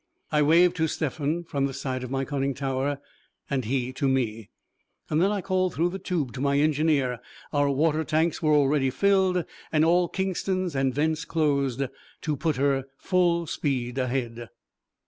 I waved to Stephan from the side of my conning tower, and he to me. Then I called through the tube to my engineer (our water tanks were already filled and all kingstons and vents closed) to put her full speed ahead.